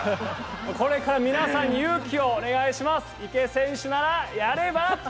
これから、皆さんに勇気をお願いします。